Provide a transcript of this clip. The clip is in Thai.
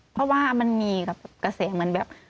เพราะว่ามันมีกระแสเหมือนแบบ